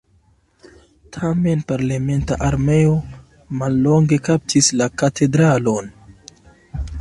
Tamen parlamenta armeo mallonge kaptis la katedralon.